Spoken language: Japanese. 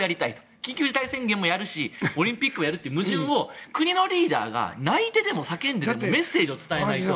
緊急事態宣言もやるしオリンピックもやるという矛盾を国のリーダーが泣いてでも叫んででもメッセージを伝えないと。